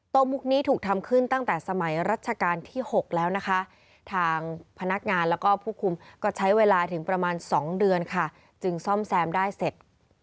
มุกนี้ถูกทำขึ้นตั้งแต่สมัยรัชกาลที่๖แล้วนะคะทางพนักงานแล้วก็ผู้คุมก็ใช้เวลาถึงประมาณ๒เดือนค่ะจึงซ่อมแซมได้เสร็จ